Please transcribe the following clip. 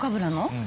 うん。